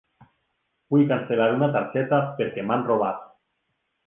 Vull cancel·lar una targeta perquè m'han robat.